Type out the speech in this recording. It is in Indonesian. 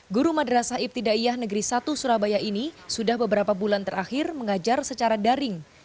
guru madrasah ibtidaiyah negeri satu surabaya ini sudah beberapa bulan terakhir mengajar secara daring